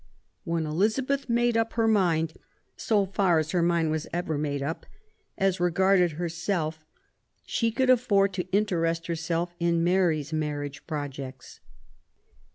When Elizabeth had made up her mind, so far as her mind was ever made up, as regards herself, she could afford to interest herself in Mary's marriage projects.